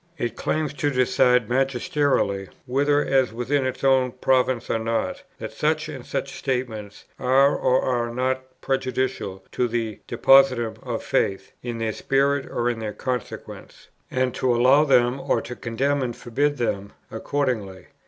It claims to decide magisterially, whether as within its own province or not, that such and such statements are or are not prejudicial to the Depositum of faith, in their spirit or in their consequences, and to allow them, or condemn and forbid them, accordingly.